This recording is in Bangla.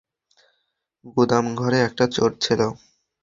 গুদামঘরে একটা চোর ছিলো!